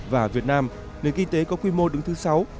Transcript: và việt nam nền kinh tế có quy mô đứng thứ sáu